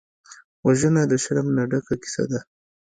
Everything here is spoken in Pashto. وژنه د شرم نه ډکه کیسه ده